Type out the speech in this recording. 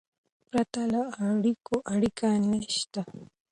پرته له اړیکو، اړیکه نسته.